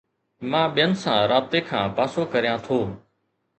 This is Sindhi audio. مان ٻين سان رابطي کان پاسو ڪريان ٿو